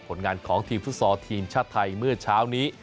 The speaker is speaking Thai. ผลงานของทีมฟุตซอลทีมชาติไทยเมื่อเช้านี้